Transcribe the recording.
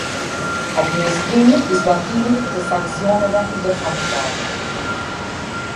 Administrimi i zbatimit të sanksioneve ndërkombëtare.